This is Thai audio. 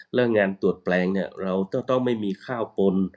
เรื่องงานตรวจแปลงเนี่ยเราต้องไม่มีข้าวปน